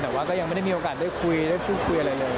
แต่ว่าก็ยังไม่ได้มีโอกาสได้คุยได้พูดคุยอะไรเลย